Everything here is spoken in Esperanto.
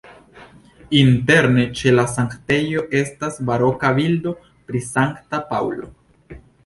Interne ĉe la sanktejo estas baroka bildo pri Sankta Paŭlo.